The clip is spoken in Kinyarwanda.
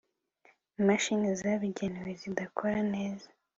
imashini zabigenewe zidakora neza